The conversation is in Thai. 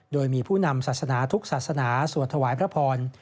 โดยมีผู้นำศาสนาทุกศาสนาสวดถวายพระพร